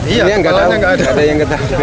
iya kepalanya gak ada